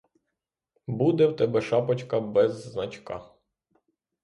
Буде в тебе шапочка без значка.